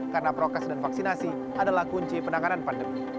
karena prokes dan vaksinasi adalah kunci penanganan pandemi